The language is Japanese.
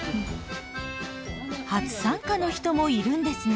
初参加の人もいるんですね。